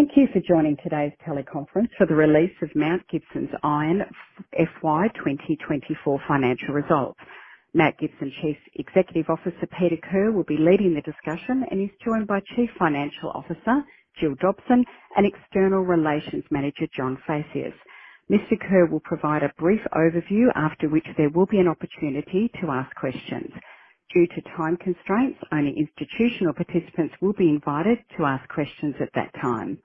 Thank you for joining today's teleconference for the release of Mount Gibson Iron, FY 2024 financial results. Mount Gibson Chief Executive Officer, Peter Kerr, will be leading the discussion and is joined by Chief Financial Officer, Gill Dobson, and External Relations Manager, John Phaceas. Mr. Kerr will provide a brief overview, after which there will be an opportunity to ask questions. Due to time constraints, only institutional participants will be invited to ask questions at that time.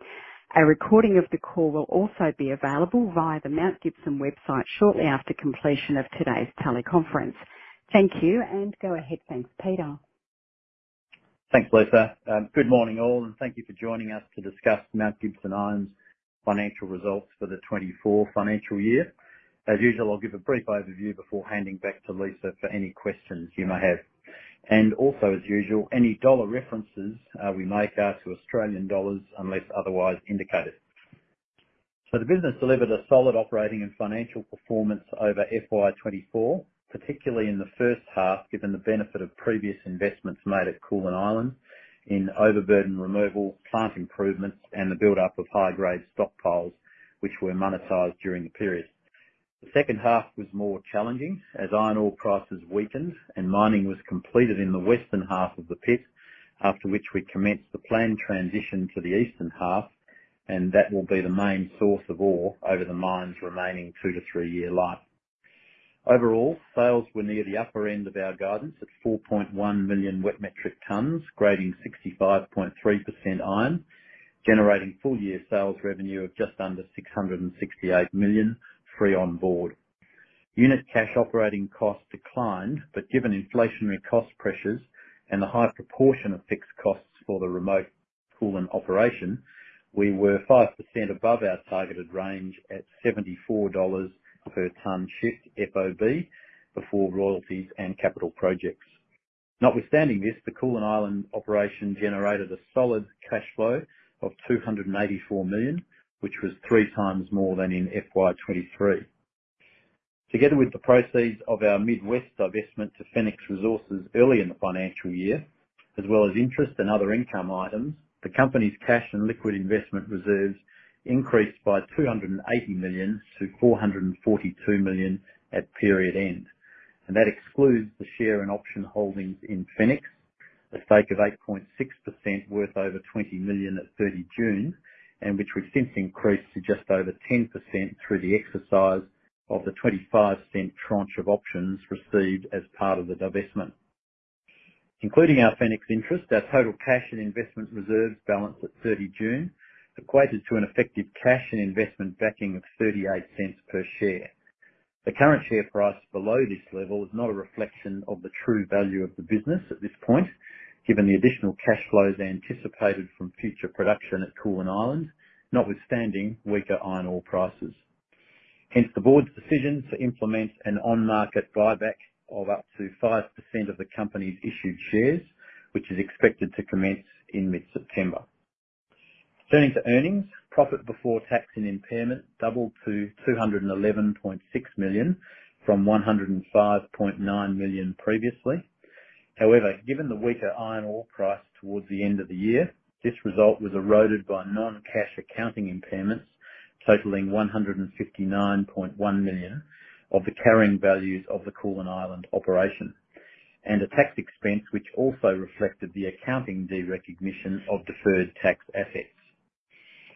A recording of the call will also be available via the Mount Gibson website shortly after completion of today's teleconference. Thank you, and go ahead, thanks, Peter. Thanks, Lisa. Good morning, all, and thank you for joining us to discuss Mount Gibson Iron's financial results for the 2024 financial year. As usual, I'll give a brief overview before handing back to Lisa for any questions you may have, and also, as usual, any dollar references we make are to Australian dollars unless otherwise indicated, so the business delivered a solid operating and financial performance over FY 2024, particularly in the first half, given the benefit of previous investments made at Koolan Island in overburden removal, plant improvements, and the buildup of high-grade stockpiles, which were monetized during the period. The second half was more challenging as iron ore prices weakened and mining was completed in the western half of the pit, after which we commenced the planned transition to the eastern half, and that will be the main source of ore over the mine's remaining two to three-year life. Overall, sales were near the upper end of our guidance at 4.1 million wet metric tons, grading 65.3% iron, generating full year sales revenue of just under 668 million, free on board. Unit cash operating costs declined, but given inflationary cost pressures and the high proportion of fixed costs for the remote Koolan operation, we were 5% above our targeted range at 74 dollars per ton shipped FOB, before royalties and capital projects. Notwithstanding this, the Koolan Island operation generated a solid cash flow of 284 million, which was three times more than in FY 2023. Together with the proceeds of our Mid West divestment to Fenix Resources early in the financial year, as well as interest and other income items, the company's cash and liquid investment reserves increased by 280 million to 442 million at period end, and that excludes the share and option holdings in Fenix, a stake of 8.6% worth over 20 million at 30 June, and which we've since increased to just over 10% through the exercise of the 0.25 tranche of options received as part of the divestment. Including our Fenix interest, our total cash and investment reserves balance at 30 June equated to an effective cash and investment backing of 0.38 per share. The current share price below this level is not a reflection of the true value of the business at this point, given the additional cash flows anticipated from future production at Koolan Island, notwithstanding weaker iron ore prices. Hence, the board's decision to implement an on-market buyback of up to 5% of the company's issued shares, which is expected to commence in mid-September. Turning to earnings, profit before tax and impairment doubled to 211.6 million, from 105.9 million previously. However, given the weaker iron ore price towards the end of the year, this result was eroded by non-cash accounting impairments, totaling 159.1 million of the carrying values of the Koolan Island operation, and a tax expense, which also reflected the accounting, the recognition of deferred tax assets.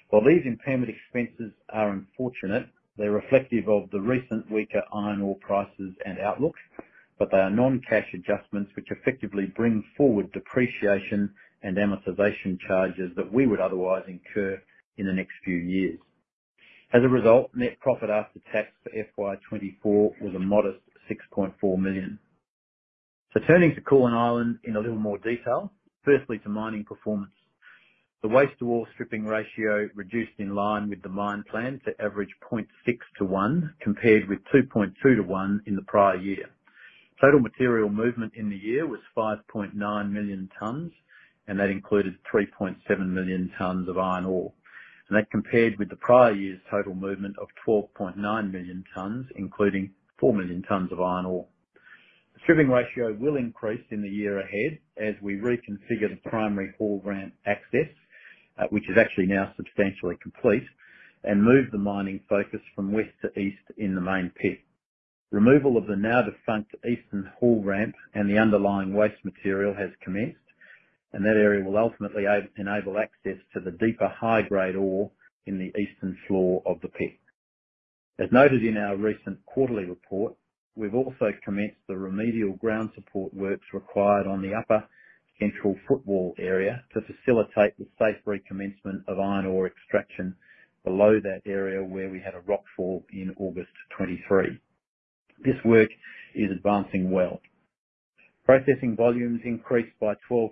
While these impairment expenses are unfortunate, they're reflective of the recent weaker iron ore prices and outlook, but they are non-cash adjustments, which effectively bring forward depreciation and amortization charges that we would otherwise incur in the next few years. As a result, net profit after tax for FY 2024 was a modest 6.4 million. So turning to Koolan Island in a little more detail, firstly, to mining performance. The waste to ore stripping ratio reduced in line with the mine plan to average 0.6 to 1, compared with 2.2 to 1 in the prior year. Total material movement in the year was 5.9 million tons, and that included 3.7 million tons of iron ore. And that compared with the prior year's total movement of 12.9 million tons, including 4 million tons of iron ore. The stripping ratio will increase in the year ahead as we reconfigure the primary ore ramp access, which is actually now substantially complete, and move the mining focus from west to east in the main pit. Removal of the now-defunct eastern ore ramp and the underlying waste material has commenced, and that area will ultimately enable access to the deeper, high-grade ore in the eastern floor of the pit. As noted in our recent quarterly report, we've also commenced the remedial ground support works required on the upper central footwall area to facilitate the safe recommencement of iron ore extraction below that area, where we had a rockfall in August 2023. This work is advancing well. Processing volumes increased by 12%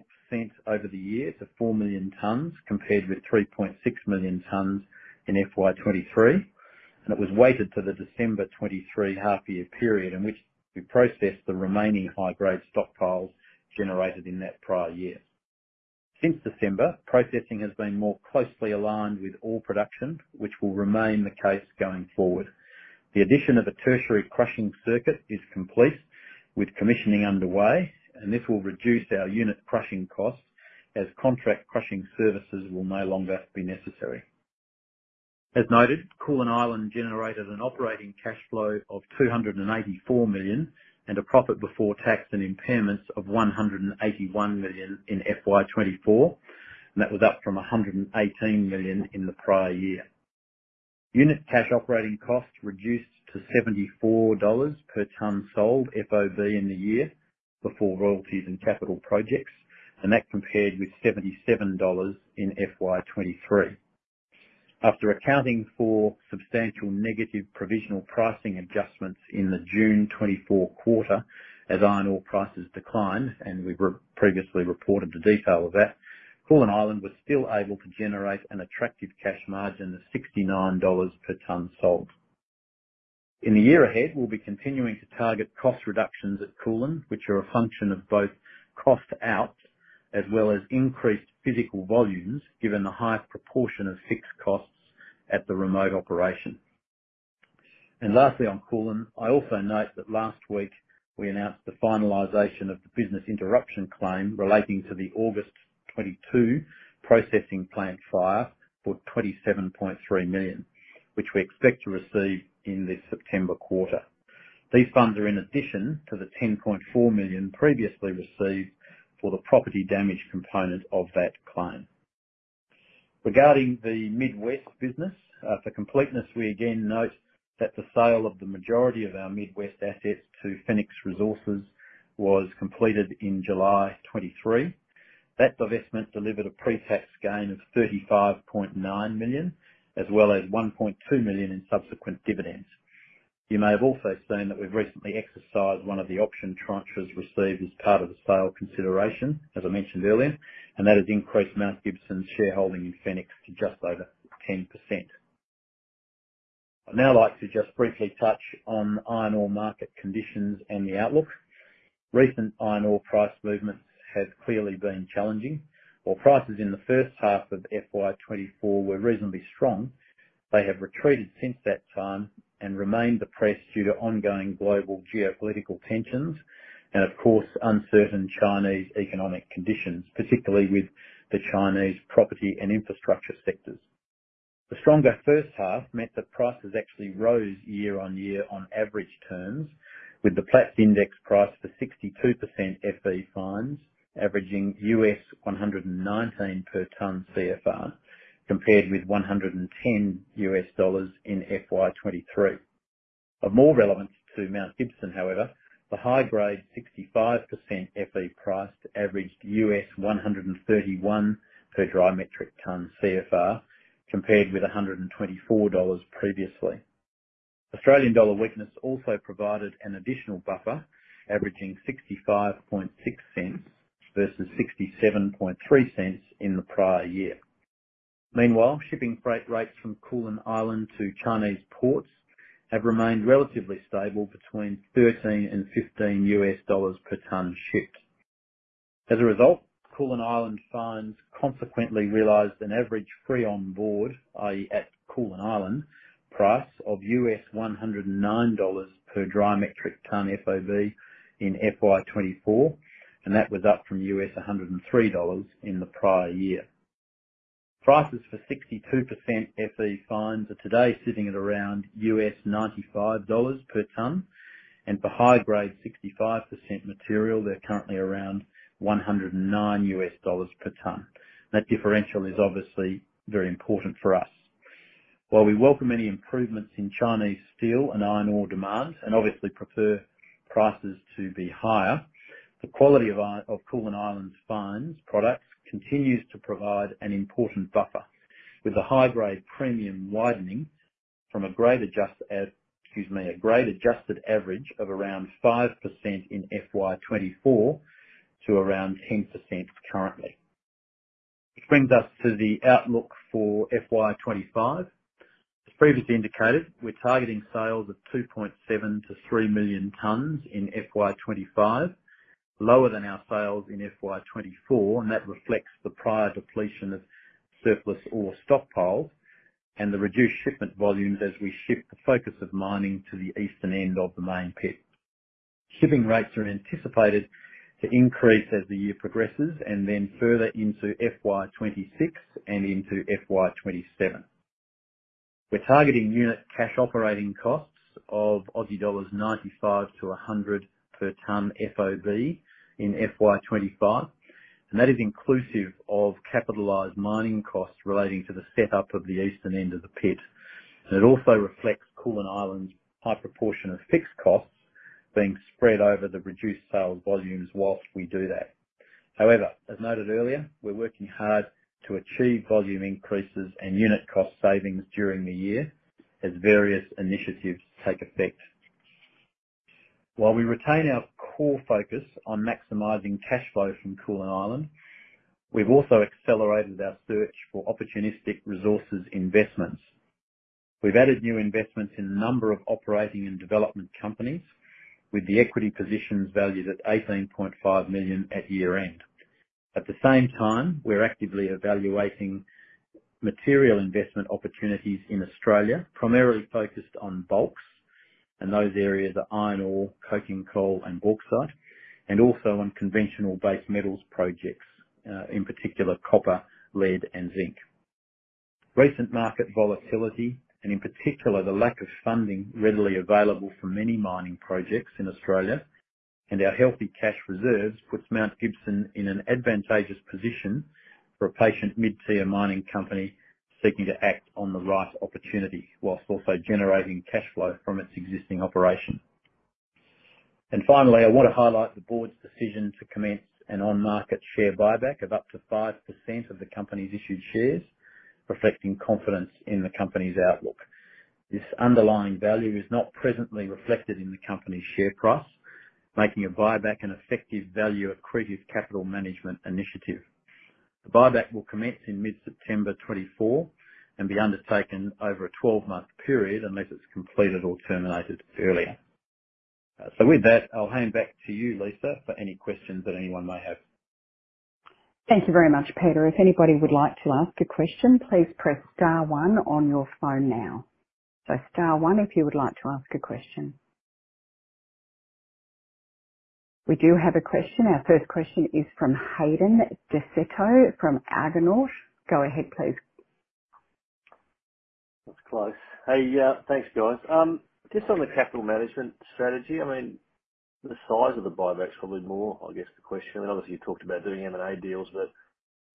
over the year to 4 million tons, compared with 3.6 million tons in FY 2023, and it was weighted to the December 2023 half year period, in which we processed the remaining high-grade stockpiles generated in that prior year. Since December, processing has been more closely aligned with ore production, which will remain the case going forward. The addition of a tertiary crushing circuit is complete, with commissioning underway, and this will reduce our unit crushing costs as contract crushing services will no longer be necessary. As noted, Koolan Island generated an operating cash flow of 284 million, and a profit before tax and impairments of 181 million in FY 2024, and that was up from 118 million in the prior year. Unit cash operating costs reduced to 74 dollars per ton sold FOB in the year, before royalties and capital projects, and that compared with 77 dollars in FY 2023. After accounting for substantial negative provisional pricing adjustments in the June 2024 quarter, as iron ore prices declined, and we've previously reported the detail of that, Koolan Island was still able to generate an attractive cash margin of 69 dollars per ton sold. In the year ahead, we'll be continuing to target cost reductions at Koolan, which are a function of both cost out as well as increased physical volumes, given the high proportion of fixed costs at the remote operation. And lastly, on Koolan, I also note that last week we announced the finalization of the business interruption claim relating to the August 2022 processing plant fire for 27.3 million, which we expect to receive in this September quarter. These funds are in addition to the 10.4 million previously received for the property damage component of that claim. Regarding the Mid West business, for completeness, we again note that the sale of the majority of our Mid West assets to Fenix Resources was completed in July 2023. That divestment delivered a pre-tax gain of 35.9 million, as well as 1.2 million in subsequent dividends. You may have also seen that we've recently exercised one of the option tranches received as part of the sale consideration, as I mentioned earlier, and that has increased Mount Gibson's shareholding in Fenix to just over 10%. I'd now like to just briefly touch on iron ore market conditions and the outlook. Recent iron ore price movements have clearly been challenging. While prices in the first half of FY 2024 were reasonably strong, they have retreated since that time and remained depressed due to ongoing global geopolitical tensions and, of course, uncertain Chinese economic conditions, particularly with the Chinese property and infrastructure sectors. The stronger first half meant that prices actually rose year on year on average terms, with the Platts Index price for 62% Fe fines averaging $119 per ton CFR, compared with $110 in FY 2023. Of more relevance to Mount Gibson, however, the high-grade 65% Fe price averaged $131 per dry metric ton CFR, compared with $124 previously. Australian dollar weakness also provided an additional buffer, averaging 65.6 cents versus 67.3 cents in the prior year. Meanwhile, shipping freight rates from Koolan Island to Chinese ports have remained relatively stable between $13 and $15 per ton shipped. As a result, Koolan Island fines consequently realized an average free on board, i.e., at Koolan Island, price of $109 per dry metric ton FOB in FY 2024, and that was up from $103 in the prior year. Prices for 62% Fe fines are today sitting at around $95 per ton, and for high-grade 65% material, they're currently around $109 per ton. That differential is obviously very important for us. While we welcome any improvements in Chinese steel and iron ore demand, and obviously prefer prices to be higher, the quality of Koolan Island's fines products continues to provide an important buffer, with a high-grade premium widening from a grade-adjusted average of around 5% in FY 2024 to around 10% currently. Which brings us to the outlook for FY 2025. As previously indicated, we're targeting sales of 2.7-3 million tons in FY 2025, lower than our sales in FY 2024, and that reflects the prior depletion of surplus ore stockpiles and the reduced shipment volumes as we shift the focus of mining to the eastern end of the main pit. Shipping rates are anticipated to increase as the year progresses, and then further into FY 2026 and into FY 2027. We're targeting unit cash operating costs of Aussie dollars 95-100 per ton FOB in FY 2025, and that is inclusive of capitalized mining costs relating to the setup of the eastern end of the pit, and it also reflects Koolan Island's high proportion of fixed costs being spread over the reduced sales volumes whilst we do that. However, as noted earlier, we're working hard to achieve volume increases and unit cost savings during the year as various initiatives take effect. While we retain our core focus on maximizing cash flow from Koolan Island, we've also accelerated our search for opportunistic resources investments. We've added new investments in a number of operating and development companies....with the equity positions valued at 18.5 million at year-end. At the same time, we're actively evaluating material investment opportunities in Australia, primarily focused on bulks, and those areas are iron ore, coking coal, and bauxite, and also on conventional base metals projects, in particular, copper, lead, and zinc. Recent market volatility, and in particular, the lack of funding readily available for many mining projects in Australia, and our healthy cash reserves, puts Mount Gibson in an advantageous position for a patient mid-tier mining company seeking to act on the right opportunity, while also generating cash flow from its existing operation. And finally, I want to highlight the board's decision to commence an on-market share buyback of up to 5% of the company's issued shares, reflecting confidence in the company's outlook. This underlying value is not presently reflected in the company's share price, making a buyback an effective value accretive capital management initiative. The buyback will commence in mid-September 2024, and be undertaken over a twelve-month period, unless it's completed or terminated earlier. So with that, I'll hand back to you, Lisa, for any questions that anyone may have. Thank you very much, Peter. If anybody would like to ask a question, please press star one on your phone now. So star one if you would like to ask a question. We do have a question. Our first question is from Hayden Bairstow from Argonaut. Go ahead, please. That's close. Hey, thanks, guys. Just on the capital management strategy, I mean, the size of the buyback is probably more, I guess, the question, and obviously, you talked about doing M&A deals, but-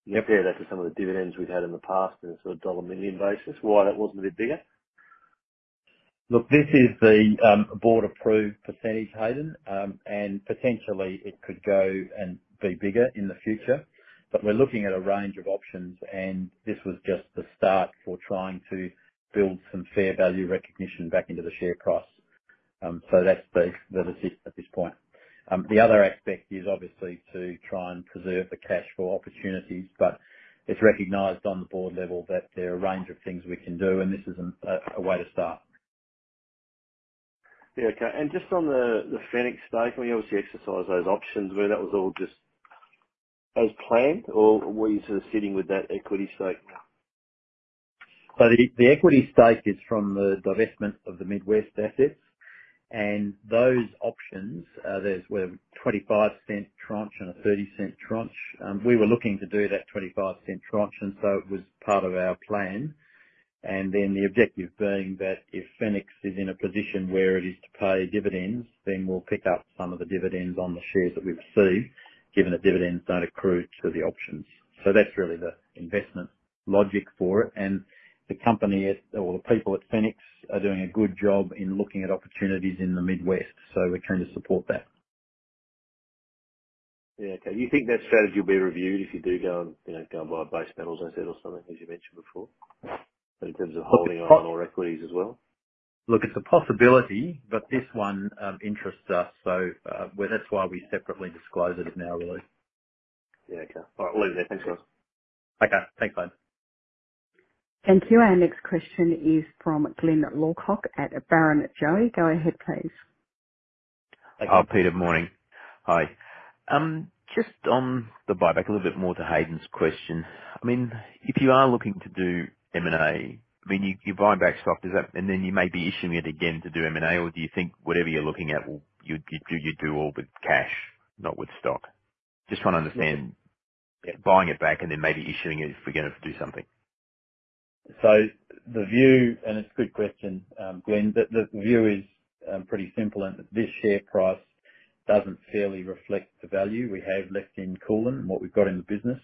Yep. Compare that to some of the dividends we've had in the past, in a sort of $ million basis, why that wasn't a bit bigger? Look, this is the board-approved percentage, Hayden, and potentially it could go and be bigger in the future, but we're looking at a range of options, and this was just the start for trying to build some fair value recognition back into the share price, so that's it at this point. The other aspect is obviously to try and preserve the cash for opportunities, but it's recognized on the board level that there are a range of things we can do, and this is a way to start. Yeah, okay. And just on the Fenix stake, when you obviously exercised those options, that was all just as planned, or were you sort of sitting with that equity stake? So the equity stake is from the divestment of the Mid West assets, and those options, there's a 25-cent tranche and a 30-cent tranche. We were looking to do that 25-cent tranche, and so it was part of our plan. And then the objective being that if Fenix is in a position where it is to pay dividends, then we'll pick up some of the dividends on the shares that we receive, given that dividends don't accrue to the options. So that's really the investment logic for it. And the company or the people at Fenix are doing a good job in looking at opportunities in the Mid West, so we're trying to support that. Yeah, okay. You think that strategy will be reviewed if you do go on, you know, go and buy base metals assets or something, as you mentioned before, in terms of holding on or equities as well? Look, it's a possibility, but this one interests us, so, well, that's why we separately disclose it now, really. Yeah, okay. All right, I'll leave it there. Thanks, guys. Okay, thanks, bye. Thank you. Our next question is from Glyn Lawcock at Barrenjoey. Go ahead, please. Peter, good morning. Hi. Just on the buyback, a little bit more to Hayden's question. I mean, if you are looking to do M&A, I mean, you're buying back stock. Does that and then you may be issuing it again to do M&A, or do you think whatever you're looking at, will you do all with cash, not with stock? Just trying to understand. Yeah. Buying it back and then maybe issuing it if we're gonna do something. The view, and it's a good question, Glyn, the view is pretty simple, and this share price doesn't fairly reflect the value we have left in Koolan, what we've got in the business.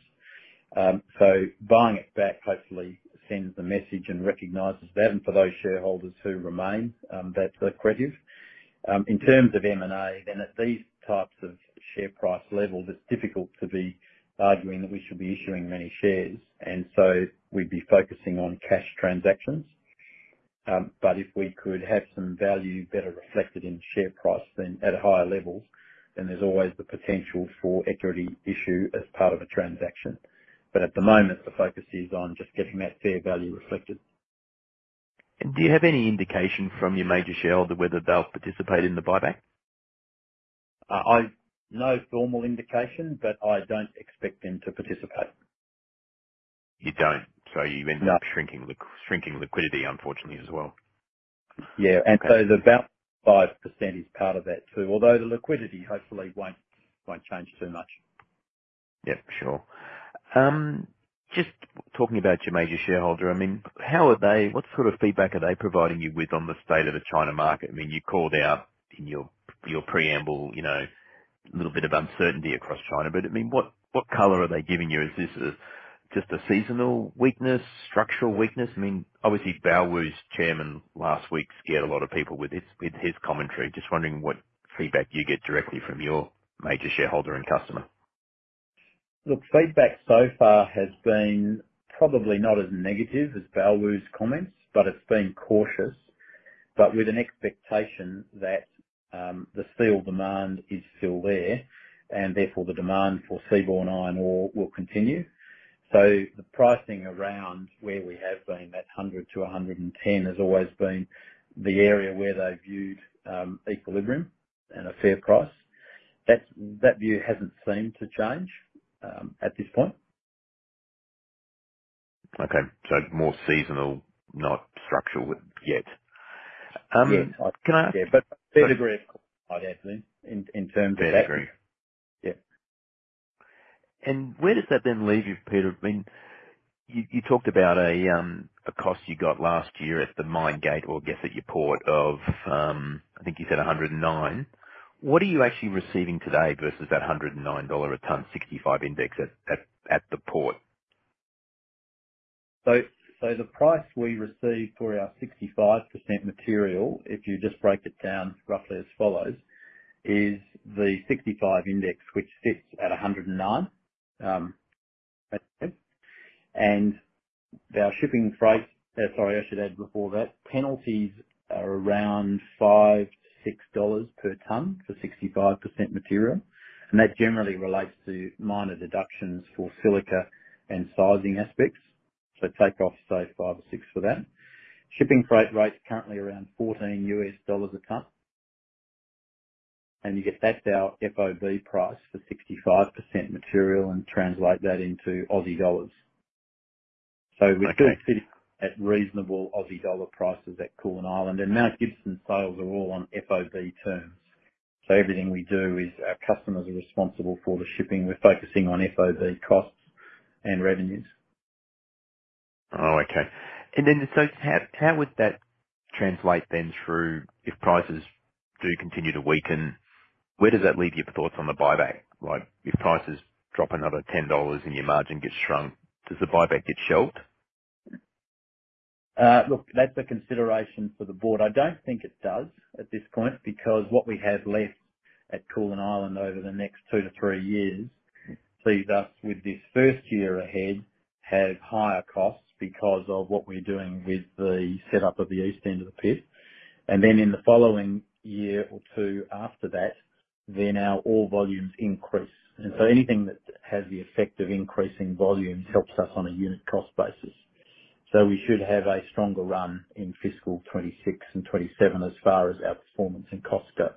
So buying it back hopefully sends the message and recognizes that, and for those shareholders who remain, that's accretive. In terms of M&A, then at these types of share price levels, it's difficult to be arguing that we should be issuing many shares, and so we'd be focusing on cash transactions. But if we could have some value better reflected in share price, then at higher levels, then there's always the potential for equity issue as part of a transaction. But at the moment, the focus is on just getting that fair value reflected. Do you have any indication from your major shareholder whether they'll participate in the buyback? No formal indication, but I don't expect them to participate. You don't? No. So you end up shrinking liquidity, unfortunately, as well. Yeah. Okay. And so about 5% is part of that, too, although the liquidity hopefully won't change too much. Yep, sure. Just talking about your major shareholder, I mean, how are they, what sort of feedback are they providing you with on the state of the China market? I mean, you called out in your preamble, you know, a little bit of uncertainty across China, but I mean, what color are they giving you? Is this just a seasonal weakness, structural weakness? I mean, obviously, Baowu's chairman last week scared a lot of people with his commentary. Just wondering what feedback do you get directly from your major shareholder and customer? Look, feedback so far has been probably not as negative as Baowu's comments, but it's been cautious, but with an expectation that, the steel demand is still there, and therefore, the demand for seaborne iron ore will continue. So the pricing around where we have been, $100-$110, has always been the area where they viewed equilibrium and a fair price. That's that view hasn't seemed to change at this point. Okay, so more seasonal, not structural yet. Can I- Yeah, but to a degree, I'd absolutely, in terms of that. Fair degree. Yeah. Where does that then leave you, Peter? I mean, you talked about a cost you got last year at the mine gate or get at your port of, I think you said 109. What are you actually receiving today versus that $109 a ton, 65 index at the port? So the price we receive for our 65% material, if you just break it down roughly as follows, is the 65 index, which sits at 109. Okay, and our shipping freight. Sorry, I should add before that, penalties are around $5-$6 per ton for 65% material, and that generally relates to minor deductions for silica and sizing aspects. So take off, say, 5 or 6 for that. Shipping freight rates currently around $14 a ton. And you get that to our FOB price for 65% material and translate that into Aussie dollars. Okay. So we do sit at reasonable Aussie dollar prices at Koolan Island, and our Gibson sales are all on FOB terms. So everything we do is, our customers are responsible for the shipping. We're focusing on FOB costs and revenues. Oh, okay. And then, so how would that translate then through if prices do continue to weaken? Where does that leave your thoughts on the buyback? Like, if prices drop another $10 and your margin gets shrunk, does the buyback get shelved? Look, that's a consideration for the board. I don't think it does at this point, because what we have left at Koolan Island over the next two to three years sees us with this first year ahead have higher costs because of what we're doing with the setup of the east end of the pit. And then in the following year or two after that, then our ore volumes increase. And so anything that has the effect of increasing volumes helps us on a unit cost basis. So we should have a stronger run in fiscal 2026 and 2027, as far as our performance and costs go.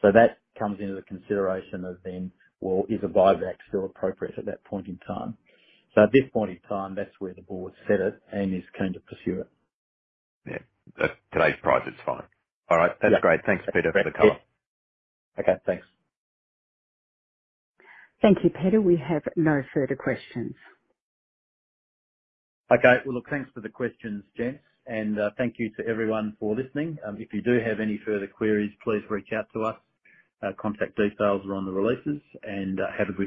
So that comes into the consideration of then, well, is a buyback still appropriate at that point in time? So at this point in time, that's where the board set it and is keen to pursue it. Yeah. At today's price, it's fine. All right. Yeah. That's great. Thanks, Peter, for the color. Okay, thanks. Thank you, Peter. We have no further questions. Okay, well, look, thanks for the questions, gents, and thank you to everyone for listening. If you do have any further queries, please reach out to us. Our contact details are on the releases, and have a great day.